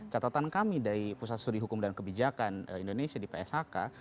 catatan kami dari pusat studi hukum dan kebijakan indonesia di pshk